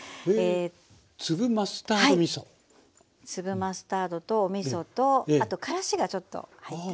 粒マスタードとおみそとあとからしがちょっと入ってますね。